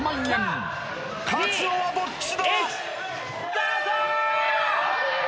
［勝つのはどっちだ？］